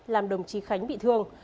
làm đồng chí khánh bị thương